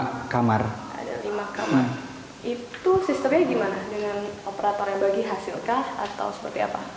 ada lima kamar itu sistemnya gimana dengan operatornya bagi hasilkah atau seperti apa